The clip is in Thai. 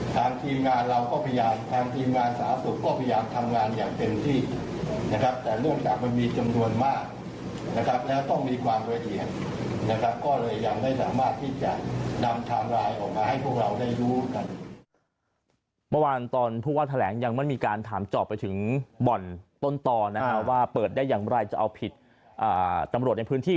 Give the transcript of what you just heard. ทางทีมงานเราก็พยายามทางทีมงานสาธุก็พยายามทำงานอย่างเต็มที่